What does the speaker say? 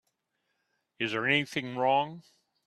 Is there anything wrong?